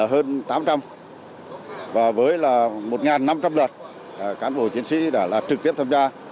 hơn tám trăm linh và với một năm trăm linh lượt cán bộ chiến sĩ đã trực tiếp tham gia